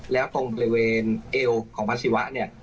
แล้วตรงบริเวณเอวของพระศิวะเนี่ย